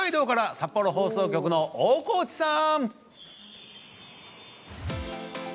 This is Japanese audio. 札幌放送局の大河内さん。